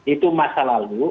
itu masa lalu